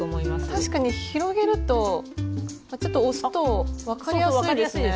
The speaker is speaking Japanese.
確かに広げるとちょっと押すと分かりやすいですよね。